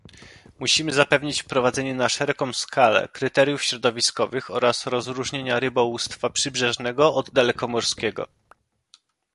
Musimy zapewnić wprowadzenie na szeroką skalę kryteriów środowiskowych oraz rozróżnienia rybołówstwa przybrzeżnego od dalekomorskiego